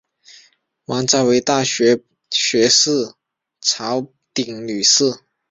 王诏为大学士曹鼐女婿。